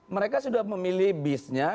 mereka sudah memilih bisnya